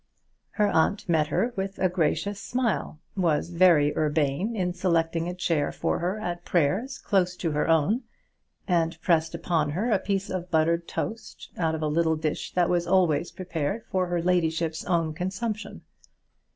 Her aunt met her with a gracious smile, was very urbane in selecting a chair for her at prayers close to her own, and pressed upon her a piece of buttered toast out of a little dish that was always prepared for her ladyship's own consumption.